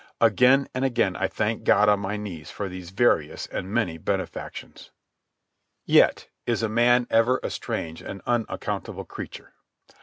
Again and again I thanked God on my knees for these various and many benefactions. Yet is man ever a strange and unaccountable creature.